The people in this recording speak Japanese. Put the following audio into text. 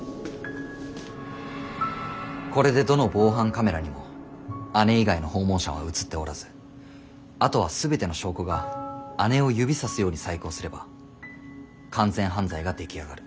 これでどの防犯カメラにも姉以外の訪問者は写っておらずあとは全ての証拠が姉を指さすように細工をすれば完全犯罪が出来上がる。